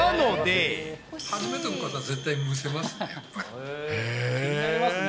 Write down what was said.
初めての方は絶対むせますね。